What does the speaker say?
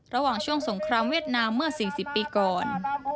ระหว่างช่วงสงครามเวียดนามเมื่อ๔๐ปีก่อน